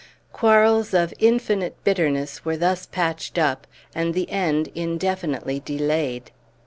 Quarrels of infinite bitterness were thus patched up, and the end indefinitely delayed.